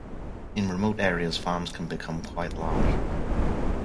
In remote areas farms can become quite large.